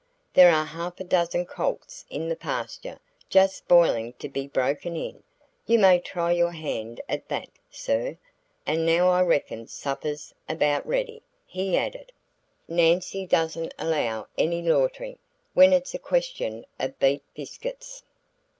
There are half a dozen colts in the pasture just spoiling to be broken in; you may try your hand at that, sir. And now I reckon supper's about ready," he added. "Nancy doesn't allow any loitering when it's a question of beat biscuits.